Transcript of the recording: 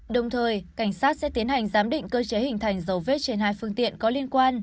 đồng thời cảnh sát sẽ tiến hành giám định cơ chế hình thành dấu vết trên hai phương tiện có liên quan